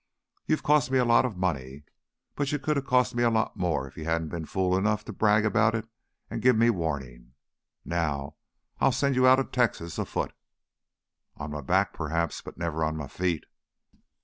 "You've cost me a lot of money, but you could have cost me a lot more if you hadn't been fool enough to brag about it and give me warning. Now I'll send you out of Texas afoot." "On my back, perhaps, but never on my feet."